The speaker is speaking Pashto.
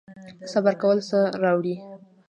صبر کول څه راوړي؟